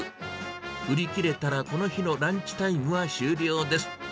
売り切れたらこの日のランチタイムは終了です。